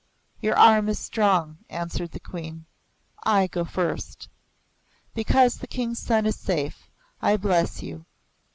"Your arm is strong," answered the Queen. "I go first. Because the King's son is safe, I bless you.